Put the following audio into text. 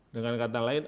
dengan kata lain